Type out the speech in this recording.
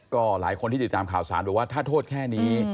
ก็หลายคนที่ติดตามข่าวสารบอกว่าถ้าโทษแค่นี้